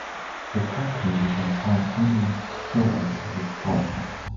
The company even funded many school and civic programs.